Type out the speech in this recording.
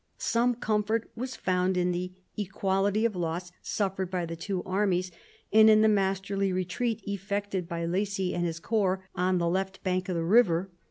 Some comfort was found in the equality of loss suffered by the two armies, and in the masterly retreat effected by Lacy and his corps on the left bank of the river.